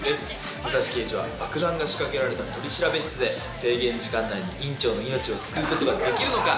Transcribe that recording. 武蔵刑事は爆弾が仕掛けられた取調室で制限時間内に院長の命を救うことができるのか？